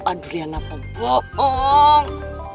aduh riana pemboong